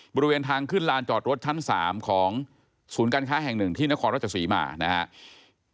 บริเวณทางขึ้นลานจอดรถชั้น๓ของศูนย์การค้าแห่งหนึ่งที่นครราชศรีมานะครับ